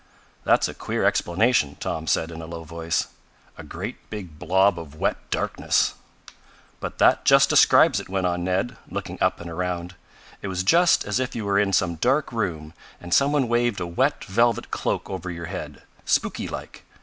"That's a queer explanation," Tom said in a low voice. "A great big blob of wet darkness!" "But that just describes it," went on Ned, looking up and around. "It was just as if you were in some dark room, and some one waved a wet velvet cloak over your head spooky like!